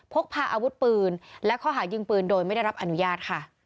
พกพาอาวุธปืนและข้อหายิงปืนโดยไม่ได้รับอนุญาตค่ะ